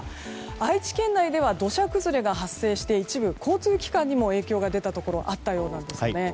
愛知県内では土砂崩れが発生して、一部交通機関にも影響が出たところがあったようなんですね。